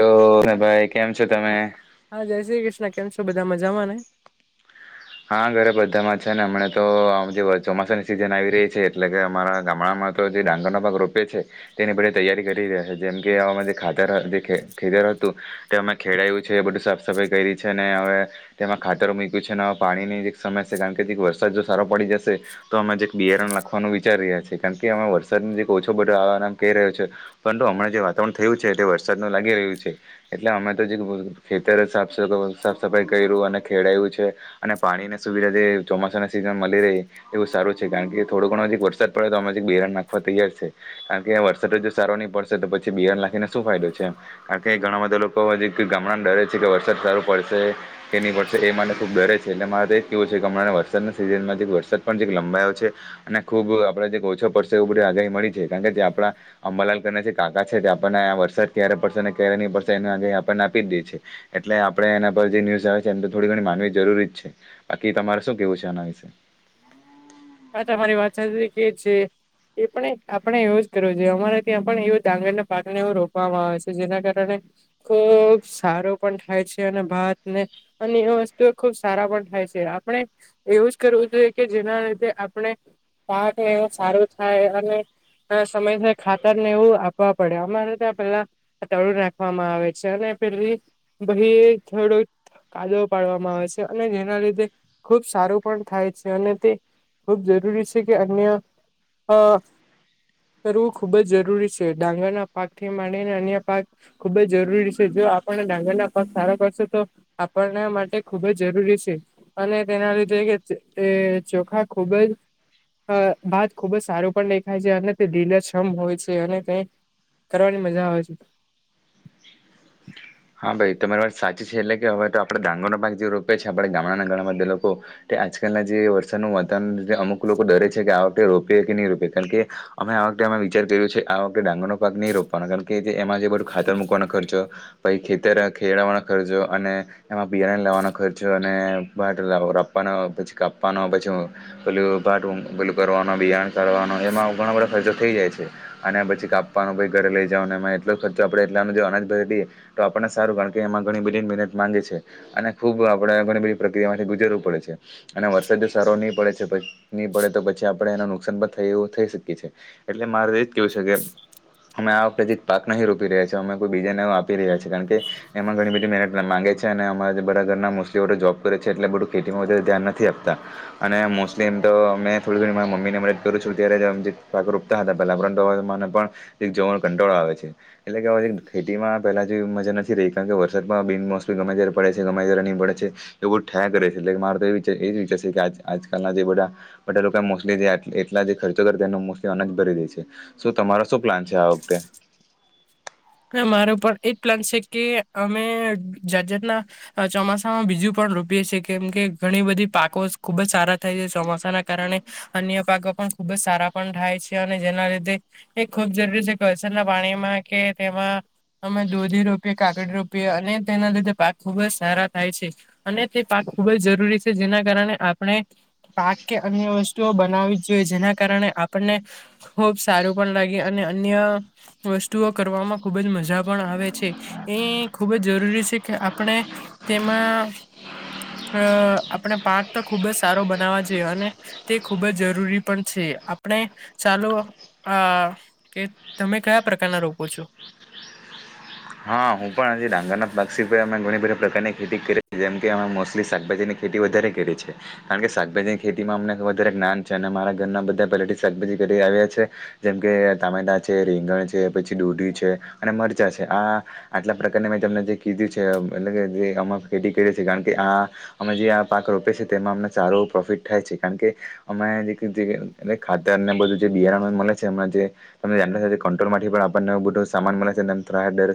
તો, ભાઈ કેમ છો તમે હા, જય શ્રી કૃષ્ણ, કેમ છું? બધા મજામા ને હા, ઘરે બધામા છેને, હમને તો જે ચોમાસાની સિઝન આવી રહી છે, એટલે કે અમારા ગામડામા જે ડાંગરનો ભાગ રોપે છે, તેની બધ તૈયારી કરી રહ્યા છે, જેમ કે આ ખાત હતું તે અમે ખેડયું છે, બધું સાફ સફાઈ કરી છે, અને હવે તેમાં ખાતરો મૂક્યું છેને પાણીની એક સમયસ છે કારણ કેક વરસાદ જો સારો પડી જશે, તો અમે જે એક બિયારણ લખવાનું વિચારી રહ્યા છીએ કારણ કે. કે અમે વરસાદનું જે ઓછો બટો આવાનામ કહી રહ્યો છે, પરંતુ હમણા જે વાતાવરણ થયું છે તે વરસાદનું લાગી રહ્યું છે. એટલે અમે, તો જે ખેતર સાફ સફાઈ કર્યું અને ખેડાયું છે. અને પાણીની સુવિધા જે ચોમાસાના સીઝનમાં મળી રહે, એ બવુ સારું છે, કારણ કે થોડો ઘણોજી વરસાદ પડે તો આમાં બિરણ નાખવા તૈયાર છે, કારણ કે વરસાદ જો સારો નહીં, પડશે તો પછી બિયણ નાખીને શું ફાયદો છે, એ ક ઘણા બધા લોકો હજી ગામડાને ડરે છે, કે વરસાદ સારું પડશે કે નહીં, પડશે એ મને ખૂબ ડરે છે એટલે મારે કેવું છે, કે હમણાં વરસાદના સીઝનમાં વરસાદ પણ લંબાયો છે, અને ખૂબ આપણે ઓછો પડશે એ બધી આગાહી મળી છે, કારણ કે આપણા અંબાલાલના જે કાકા છે, તે આપણને આ વરસાદ ક્યારે પડશે આપને આપી જી છે, એટલે આપણે એના પર જે ન્યુઝ આવે છે, એમ તો થોડી ઘણી માનવી જરૂરી જ છે. બાકી તમારે શું કેવું છે, આના વિશે હા, તમારી વાત સાચી કે છે એ પણ આપણે એવું જ કરવું જોઈએ અમારે ત્યાં પણ એવ ડાંગરને પાકને એવો રોપવામાં આવે છે, જેના કારણે ખુબ સારું પણ થાય છે, અને ભાત ને અને એ વસ્તુ એ ખુબ સારા પણ થાય. આપણે એવું જ કરવું જોઈએ, કે જેના લીધે આપણે પાક લેવો સારું થાય, અને સમયસ ખાતરને એવું આપવા પડે અમારે ત્યાં પેલા તળુ નાખવામાં આવે છે, અને [unintelligible] ભહી થોડોક કાદો પાડવામાં આવે છે, અને જેના લીધે ખુબ સારું પણ થાય. અને તે ખૂબ જરૂરી છે, કે અન્ય કરવું ખુબ જ જરૂરી છે, ડાંગરના પાકથી માંડીને અન્ય પાક ખુબ જ જરૂરી છે. આપ ડાંગરના પગ સારો કરશે તો આપના માટે ખુબ જ જરૂરી છે, અને તેના લ કે એ ચોખા ખુબજ. ભત ખુબ જ સારું પણ દેખાય છે, અને તે દિલક્ષમ હોય છે, અને તે કરવાની મજા આવે છે. હા ભાઈ તમારી વાત સાચી છે એટલે કે હવે તો આપણે ડાંગર ન પાાગ જે રોપે છે, આપણે ગામડાના ઘણા બધા લોકો તે આજકાલ જે વરસાદનું વાતાવરણ અમુક લોકો ડરે છે, કે આ વખતે રોપે કે નહી, રોપે કારણ કે અમે વખતે. વિચાર કર્યું છે આ વખતે ડાંગર નો પાક નહીં રોપવાનો કારણ, કે એમાં જે બધું ખાતર મૂકવાનો ખર્ચો પછ, ખેતર ખેડવાનો ખર્ચો અને એમાં બિયારણ લાવવાનો ખર્ચો અને પછી કાવાનો પછી, પલું પલું કરવાનો બિ કરવાનો એમાં ઘણા બધા ફાયદો થઈ જાય છે, અને પછી કાપવાનો પ ઘરે લઈ જવાને એમાં એટલો ખર્ચો આપડે એટલા અનાજ ઘએ તો આપણને સારું કારણ કે એમાં ઘણી બધી મહેનત માગે છે, અને ખૂબ આપણે ઘણી બધી પ્રક્રિયામાંથી ગુજરવું પડે છે. અને વરસાદી સારો નહી પડે છે, નહી, પડે તો પછી આપડણે એને નુકસાન પણ થ એું થઈ શકીએ છીએ એટલે મારે એજ કેવું છે, કે અમે આ વખતે જે પાક નહીં રોપી રહ્યા છીએ, અમે કોઈ બીજાને આપી રહ્યા છીએ. કારણ કે એમાં ઘણી બધી મહેનત માંગે છે, અને અમા બરા ઘરના મોસ્ટલી જોબ કરે છે, એટલે બધું ખેતીમાં વધ ધ્યાન નથી, આપતા અને મોસ્ટલી એમ તો અમે થોડી ઘણી મારા મમ્મીની મદદ કરું છું, ત્યારે જમ જેકરું પલાંતુ કંટોળ આવે છે, એટલે કે ખેમાં પલા મજા નથી રહી કારણ કે વરસાદમાં બિનમોસમી ગમે ત્યારે પડે છે, ગમે ત્યારે નહીં, પડે છે એ બુઠ કરે છે છેલ્લેક માર તો એ એજ વિચાર છે, કે આ આજકાલના, જે બધા, બધા લોકો મોસ્ટલી એટલા જે ખર્ચો, કરતા એ મોલી ઓનજ ભરી દે છે. તમારા શું પ્લાન છે, આ વખતે મારો પણ એજ પ્લાન છે, કે અમે જાત જાતના ચોમાસામાં બીજું પણ રૂપી કેમ કે ઘણી બધી પાકો ખુબજ સારા થાય છે, ચોસાના કારણે અન્ય પાકો પણ ખુબ જ સારા પણ થાય છે, અને જેના લીધે એ ખુબ જરૂરી છે, કસરના પાણીમાં કે એમાં અમે દોધી રોપીએ કાાગડી રોપીએ અને તેના લીધે પાક ખુબજ સારા થાય છે, અને તે પાક ખુબ જ જરૂરી છે, જેના કારણે આપણે પાક કે અન્ય વસ્તુઓ બનાવી જ જોઈએ, જેના કારણે આપને ખબ સારું પણ લાગે, અને અન્ય વસ્તુઓ કરવામાં ખૂબ જ મજા પણ આવે છે, એ ખૂબ જ જરૂરી છે, કે આપણે તેમાં હા. અ આપણે પાક તો ખુબજ સારો બનાવા જોઈએ અને તે ખુબજ જરૂરી પણ છે. આપણે ચાલો, આ કે તમે કયા પ્રકારના રોગ પૂછો હા, હું પણ હજી ડાંગરનાથ બાક્ષી અમે ઘણી બધી પ્રકારની ખેતી કરે જેમ કે અમે મોસ્ટલી શાકભાજીની ખેતી વધારે કરીએ છે, કારણ કે શાકભાજીની ખેતીમાં અમને વધારે જ્ઞાન છે, અને મારા ઘરના બધા પલેટી શાકભાજી કરી આવ્યા છે, જેમ કે ટામેટા છે રીંગણ પછી દોઢી છે, અને મરચાં છે, આ આટલા પ્રકારને મેં તમને જે કીધું છે, એટ જે અ ખેતી કરી છી, કારણ કે આ અમે જે પા તેમાં અમને સારું પ્રોફિટ થાય છે, કારણ કે અમે ખાતર બધું મળે્રોલ થી પણનેવો બધો સામાન મળે છે,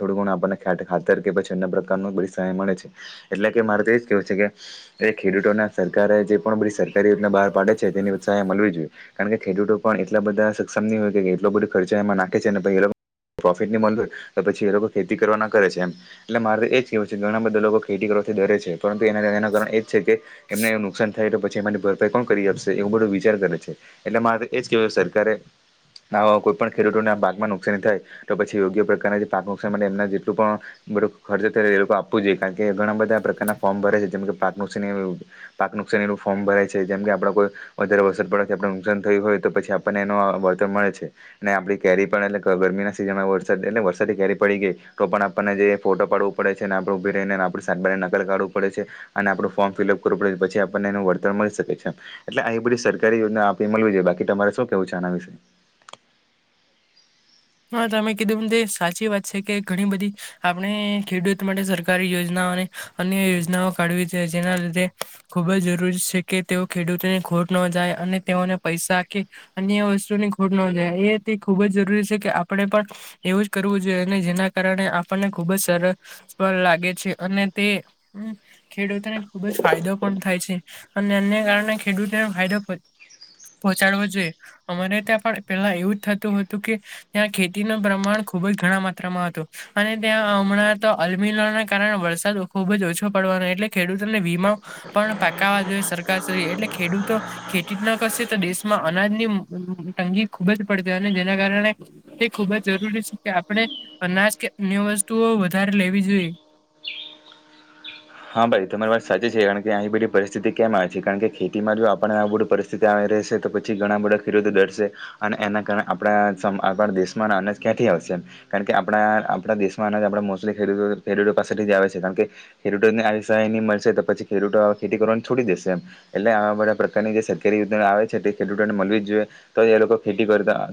થડું ખાતર કે પછી, અન્ય પ્રકાર ન બ સહાય મળે છે, એટલે કે મારે તો એજ કેવું છે કે ખેડૂત ખેડૂતો ના સરકારે જે પણ બધી સરકારી રીતના બહાર પાડે છે, તેનીત્સાહાય મળવી જોઈએ કારણ કેેડૂતો પણ એટલા બધા. સક્ષમની હોય, કે એટલો બધો ખર્ચો એમાં નાખે છે, નેછ એ પ્રોફિટ મળ હોય પછી એ લોકોે. ખેતી કરવાના કરે છે, એમ એટલે મારે તો એ જ કહેવું છે ઘણા બધા લોકો ખેતી કરવાથી ડરે છે. પરંતુ એના એના કારણ એજ છે, કે એમને એ નુકસાન થાય, તો પછી એમાંની ભરપાઈ કોણ કરી આપશે એવું બધું વિચાર કરે છે, એટલે મારે એજ કેહેવય સરકારે આ કોઈ પણ ખેડૂતોને પાકમાં નુકસાની થાય, તો પછી યોગ્ય પ્રકારના પાક નુકસાન માટે જે પણ ખર્ચથ, એ લોકો આપવું જોઈએ કારણ કે ઘણા બધા પ્રકારના ફોર્મ ભરે છે જેમ કે પાક નુકની પાક નુકસની નું ફોર્મ ભરાય છે, જેમ કે આપ કોઈ વધારે અસર પડે આપ નુકસાન થાય હોય, તો પછી આપણને એ વળતર મળે છે, ને આપ કેરી પણ એ ગરમીના સિઝનમાં વરસાદ એટલે વરસાદી કરી પડી ગ તો પણ આપણને જે ફોટો પાડવો પડે છે, અને આપણે ઉભી રહીને આપણે સાત બારની નકલ કાઢવું પડે અને આપું ફોર્મ ફિલ પડે પછ આપને વર્તર મળી શકે છે, એટલે આ બધી સરકારી યોજના આપે મળવી જોઈએ બાકી તમારે શું કેવું છે પછાના વિશે હા, તમે કીધું સાચી વાત છે, કે ઘણી બધી આપણે ખેડૂત માટે સરકારી યોજના અન્ય યોજનાઓ કાઢવી જેના લીધે ખુબજ જરૂરી છે, કે તેઓ ખેડૂતોને ખોર ખોન જાય, અને તેઓને પૈસા કે અન્ય વસ્તુની ખોટ ન જાય એ તે ખુબ જ જરૂરી છે. કે આપણે પણ એવું જ કરવું જોઈએ, અને જેના કારણે આપણને ખુબજ સરસ પણ લાગે છે. અને તે ખેડૂતને ખુબજ ફાયદો પણ થાય છે, અને એને કારણે ખેડૂતો ફદો પહોંચાડવો જોઈએ, અમારે ત્યાં પણ પેલા એવું જ થતું, હતું કે ત્યાં ખેતીનું પ્રમાણ ખુબજ ઘણા માત્રામા હતું, અને ત્યાં હમણાં તો અલમીને કારણે વરસાદ ખુબ ઓછો પડવાનો એટલે ખેડૂતોને વીમા પણ પાકવા, જોઈએ સરકાર એટલે ખેડૂતો ખેતીતના કરશે, તો દેશમાં અનાજની તંગી ખુબજ પડશે અને જેના કારણે એ ખૂબ જ જરૂરી છે, કે આપણે અનાજ કે અન્ય વસ્તુઓ વધારે લેવી જોઈએ હા ભાઈ તમારી વાત સાચી છે કારણ કે આ બધી પરિસ્થિતિ કેમ આવે છે, કારણ કે ખેતીમાં જો આપણેને આ બધું પરિસ્થિતિ આવે રહેશે, તો પછી ઘણા બધા ખેડૂતો ડરશે અને એના કારણે આપણા આપણા દેશમાંન ક્યાંથી આવશે કારણ કે આપણા આપણા દેશમાં અ આપ મોસ્ટલીૂતો ખેડૂતો પાસેથી જ આવે છે, કારણ કે ખેડૂતોને આ સહાયની મળશે તો પછી ખેડૂતો આ ખેતી કરવાને છોડી, દેશે એમ એટલે આવા બધા પ્રકારની જે સરકારી આવે છે, તે ખેડૂતોને મળવી જ જોઈએ, તો એ લોકો ખે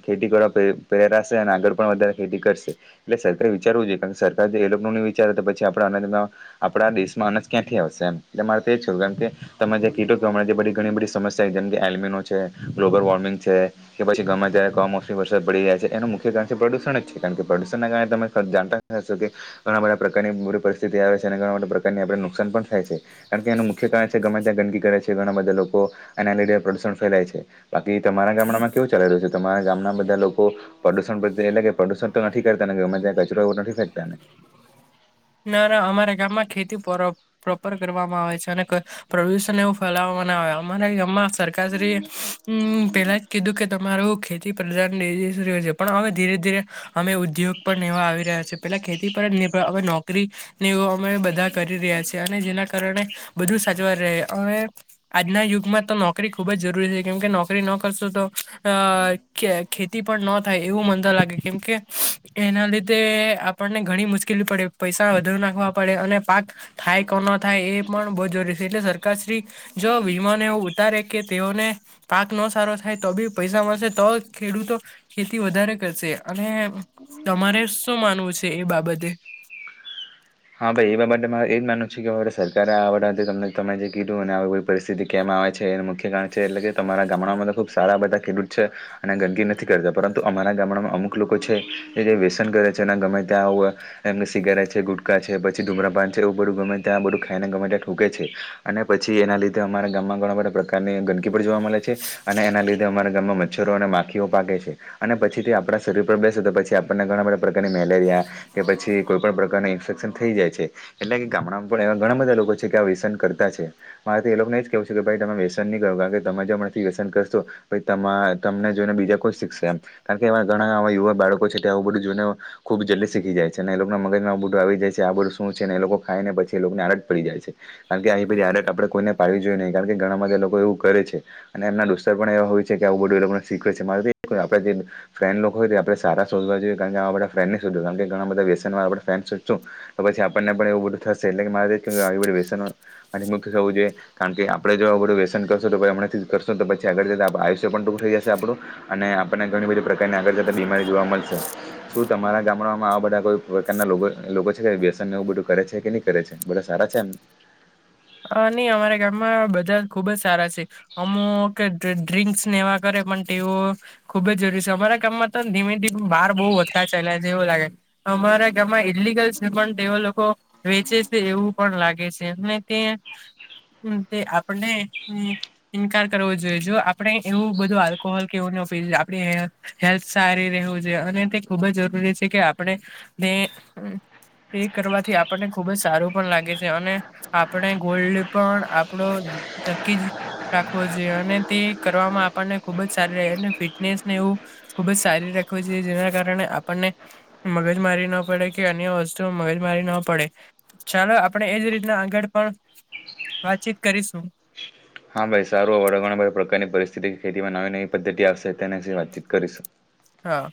ખેતી કરવા પ્રેરાશે અને આગળ પણ ખેતી કરશે એટલે સરકારે વિચારવું જોઈએ, કારણ કે સરકાર જે એ લોકો નહી, વિચાર તો પછી આપડા અનાંદમાં આપણા દેશમાં અનજ ક્યાંથી આવશે એમ તમારે છોું, કેમ કે તમે જે કીટ જે બધી ઘણી બધી સમસ્યા એમી છે, ગ્લોબલ વોર્મિંગ છે, કે પછી ઘરમાં જયારે કમોસમી વરસાદ પડી જાય છે, એનું મુખ્ય કાર પ્રદૂષણ જ છે, કારણ, કે પ્રદુષણના કારણે તમે જાણતા શશો કે ઘણા બધા પ્રકારની બરી પરિસ્થિતિ આવે છે. પ્રકાર નુકસાન પણ થાય છે, કારણ કે એનું મુખ્ય કારણ ગમે ત્યાં ગંદકી કરે છે, ઘણા બધા લોકો એનાથી જે ફેલાય છે. બાકી તમારા ગામડામાં કેવું ચાલી રહ્યું છે? તમારા ગામના બ ધા લોકો પ્રદુષણ પર તે એટલે કે પ્રદુષણ તો નથી ને, ગમે ત્યાં કચરો નથી ફેંકતા ને. [inaudible] ના. ના. અમારા ગામમાં ખેતી પર-પ્રોપર કરવામાં આવે છે અને પ્રદુષણ એવું ફેલા બનાવે. અમારા ગમાં સરકારશ્રી એ અમ પેલા જ કીધું કે તમારું ખેતી પ્રધાન દે એજ રે છે પણ હવે ધીરે ધીરે અમે ઉદ્યોગ પણ નેવા આવી રહ્યા છે. પેલા ખેતી પર જ નિર્ભર હવે નોક કરી ને એવું અમે બધા કરી રહ્યા છીએ અને જેના કારણે બધું સાચવાઈ રહે. હવે આજના યુગમાં તો નોકરી ખૂબજ જરૂરી છે. કેમ કે નોકરી ન કરશો તો અ ખે-ખેતી પણ નો થાય એવું મન તો લાગે. કેમ કે એના લીધે આપણને ઘણી મુશ્કેલી પડે. પૈસા વધુ નાખવા પડે અને પાક થાય કે નો થાય એ પણ બો જરૂરી છે એટલે સરકાર શ્રી જો વીમોને એવું ઉતારે કે તેઓને પાક ન સારો થાય તો બી પૈસા મળશે તો ખેડૂતો ખેતી વધારે કરશે. અને તમારે શું માનવું છે, એ બાબતે હા, ભાઈ એવા માટે મારે એજ માનું છે, કેરે સરકારે આ વથી તમે જે કીધું અને કોઈ પરિસ્થિતિ કેમ આવે એનું મુખ્ય કારણ છે, એટલે કે તમારા ગામડામાં ખૂબ સારા બધા ખેડૂત છે, અને ગંદકી નથી કરતા પરંતુ અમારા ગામડામાં અમુક લોકો છે, જે વ્યસન ગમે, ત્યાં હો એમને શિગ છે ગુટ ૂકા છે પછી ધૂમરાપાન છે, એવું બધું ગમે ત્યાં બધું ખાઈને ગમે ત્યાંઠૂકે છે, અને પી એના લીધે અમારા ગામ ઘણા બધા પ્રકારની ગંદકી પણ જોવા મળે છે, અને એના લીધે અમારા ગામમાં મચ્છરો અને માખીઓ પાકે છે. અને પછીથી આપણા શરીર પર બેસે તો પછી, આપણને ઘણા બધા પ્રકારની મેલેરિયા કે પછી કોઈ પણણ પ્રકાર ઇન્ફક થ જાય છે, એટલે કે ગામડામાં પણ એવા ઘણા બધા લોકો છે, કે વ્યસન કરતા છે મારે લોકોને એ કેવ છે. કે ભાઈ તમે વ્યસન નહી, કરો કારણ કે તમે જો મથી વ્યસન કરશો તમને જોઈને બીજા કોઈ શીખશે એમ કારણ કે એવા ઘણાવા યુવા બાળકો છે ત્યા આવું બધું જોઈને, ખુબ જલ્દી શીખી જાય છે, અને એ લોકો મગજમાં આવું બધું આવી જાય છે. આ બધું શું છે ને એ લોકો ખાય ને પછી લોકોને આડત પડી જાય છે. કારણ કે આ બધી આડત આપણે કોઈને પાડવી જોઈએ નહીં. કારણ કે ઘણા બધા એ લોકો એવું કરે છે અને એમના દોસ્તાર પણ એવા હોય છે કે આ આવું બધું એ લોકોને શીખવેે છે. મારે [unintelligible] આપણે જે ફેન લોકો હોય તે આપડે સારા શોધવા જોઈએ. કારણ કે આવા બધા ફ્રેન્ડને જ શોધે. કારણ કે ઘણા બધા આપડે વ્યસન વાડા આપડે ફ્રેન્ડ શોધશું તો પછી આપણને પણ એવું બધું થશે. એટલે કે મારે રીતે આવી બધી વ્યસનોમાંથી મુક્ત થવું જોઈએ. કારણ કે આપડે જો આવું બઢું વ્યસન કરશું તો પહી હમણાં થી જ કરશું ન તો પછી આગળ જતા આપ-આયુષ્ય પણ પૂરું થઈ જશે આપડું અને આપણને ઘણી બધી પ્ર કારના આગળ જતા બીમારી જોવા મળશે. શું તમારા ગામડામાં આવા બધા કોઈ પ્રકારના લોકો આ લોકો છે વ્યસનને એવું બધું કરે છે કે ની કરે છે? બધા સારા છે એમ? અ ની અમારા ગામમાં બધા ખુબ જ સારા છે. અમુક ઢ-ઢ-ડ્રિંક્સ ને એવા કરે. પણ ટેઓ ખુબ જરૂરી છે. અમારા કામમાં તો ધીમે ધીમે બાર બો વધતા ચાલ્યા છે એવું લાગે. અમારા ગામમાં ઈડલીગલ છે પણ તેઓ લોકો વેચે છે એવું પણ લાગે છે ને તે અમ તે આપણને અન અન ઇન્કાર કરવો જોઈએ. જો આપણે એવું બધું આલ્કોહોલ કે એવું ફીલ આપડી હે-હેલ્થ સારી રહેવું જોઈએ અને તે ખુબ જરૂરી છે કે આપણે ને અમ તે કરવાથી આપણને ખુબ જ સારું પણ લાગે છે અને આપણે ગોલ્ડ પણ આપણો થકી જ રાખવો જોઈએ અને તે કરવામાં આપણને ખુબ જ સારી રહે અને ફિટનેસને એવું ખુબ જ સારી રાખવું જોઈએ જેના કારણે આપણને મગજ મારી ન પડે કે અન્ય વસ્તુ મગજ મારી ન પડે ચાલો આપણે એ જ રીતના આગળ પણ વાતચીત કરીશું. હા, ભાઈ સારું. [unintelligible] પ્રકારની પરિસ્થિતિ ખેતીમાં નવી નવી પદ્ધતિ આવશે તેનાસી વાતચીત કરીશું. હા.